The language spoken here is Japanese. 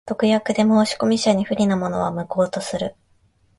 特約で申込者等に不利なものは、無効とする。